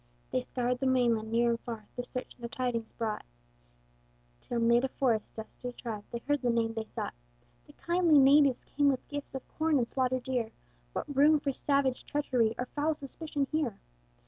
They scoured the mainland near and far: The search no tidings brought; Till mid a forest's dusky tribe They heard the name they sought. The kindly natives came with gifts Of corn and slaughtered deer; What room for savage treachery Or foul suspicion here?